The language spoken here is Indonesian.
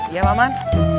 iya pak man